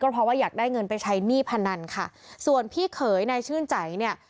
เพราะว่าอยากได้เงินไปใช้หนี้พนันค่ะส่วนพี่เขยนายชื่นใจเนี่ย